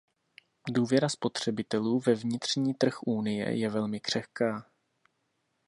Důvěra spotřebitelů ve vnitřní trh Unie je velmi křehká.